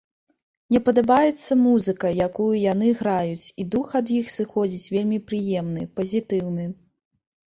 Мне падабаецца музыка, якую яны граюць, і дух ад іх сыходзіць вельмі прыемны, пазітыўны.